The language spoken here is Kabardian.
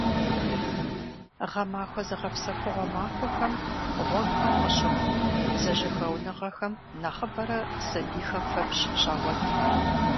Гъэмахуэ зыгъэпсэхугъуэ махуэхэм гъуэгухэм къыщыхъу зэжьэхэуэныгъэхэм нэхъыбэрэ сабийхэм фэбжь щагъуэт.